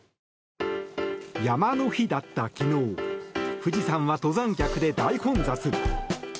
山の日だった昨日富士山は登山客で大混雑。